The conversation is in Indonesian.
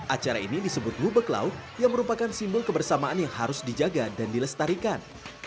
acara ini disebut ngubek laut yang merupakan simbol kebersamaan yang harus dijaga dan dilestarikan